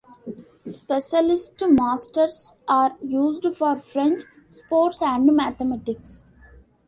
Specialist masters are used for French, sports and mathematics.